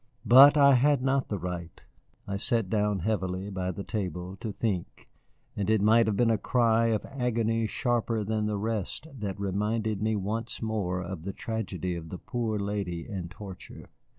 But I had not the right. I sat down heavily, by the table, to think, and it might have been a cry of agony sharper than the rest that reminded me once more of the tragedy of the poor lady in torture.